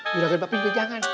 juragan papi juga jangan